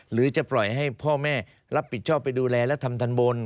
หรือจะปล่อยให้พ่อแม่รับผิดชอบไปดูแลและทำทันบน